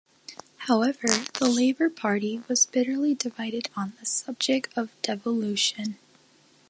However, the Labour Party was bitterly divided on the subject of devolution.